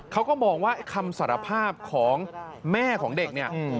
เขาก็บอกว่าคำสารภาพของแม่ของเด็ก